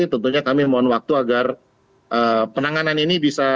tentunya kami mohon waktu agar penanganan ini bisa